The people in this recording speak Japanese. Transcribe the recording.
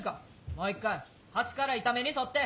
もう一回端から板目に沿って。